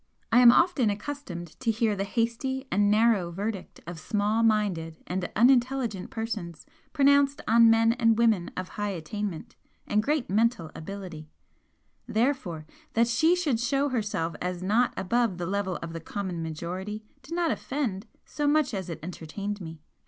I am often accustomed to hear the hasty and narrow verdict of small minded and unintelligent persons pronounced on men and women of high attainment and great mental ability; therefore, that she should show herself as not above the level of the common majority did not offend so much as it entertained me.